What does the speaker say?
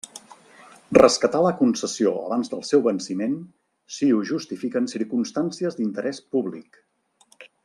Rescatar la concessió abans del seu venciment si ho justifiquen circumstàncies d'interès públic.